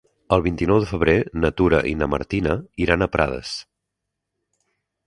El vint-i-nou de febrer na Tura i na Martina iran a Prades.